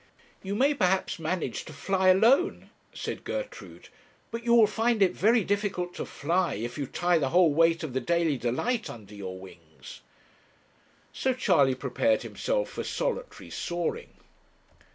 'You may perhaps manage to fly alone,' said Gertrude; 'but you will find it very difficult to fly if you tie the whole weight of the Daily Delight under your wings.' So Charley prepared himself for solitary soaring.